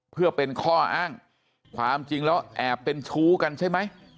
เพื่อเป็นข้ออ้างความจริงแล้วแอบเป็นชู้กันใช่ไหม